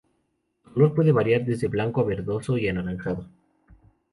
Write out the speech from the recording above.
El color puede variar desde blanco a verdoso y anaranjado.